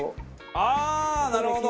ああーなるほど！